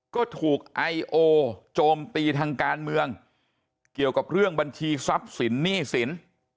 ก็ถูกไอโอโจมตีทางการเมืองเกี่ยวกับเรื่องบัญชีทรัพย์สินหนี้สิน